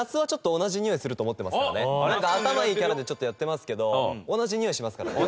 でも俺なんか頭いいキャラでちょっとやってますけど同じにおいしますから。